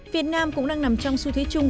việt nam cũng đang nằm trong su thế chung